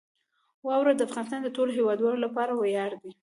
واوره د افغانستان د ټولو هیوادوالو لپاره ویاړ دی.